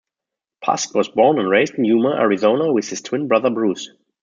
Pask was born and raised in Yuma, Arizona with his twin brother Bruce.